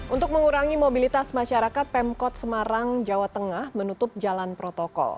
untuk mengurangi mobilitas masyarakat pemkot semarang jawa tengah menutup jalan protokol